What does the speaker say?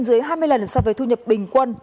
dưới hai mươi lần so với thu nhập bình quân